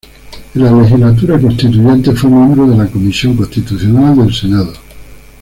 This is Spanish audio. En la legislatura constituyente fue miembro de la Comisión Constitucional del Senado.